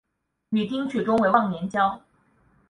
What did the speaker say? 与丁取忠为忘年交。